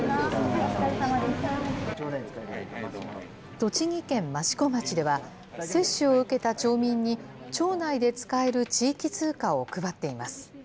栃木県益子町では、接種を受けた町民に町内で使える地域通貨を配っています。